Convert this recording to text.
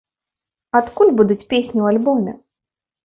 Адкуль будуць песні ў альбоме?